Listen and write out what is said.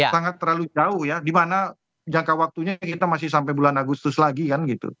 sangat terlalu jauh ya dimana jangka waktunya kita masih sampai bulan agustus lagi kan gitu